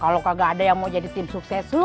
kalo kagak ada yang mau jadi tim sukses lo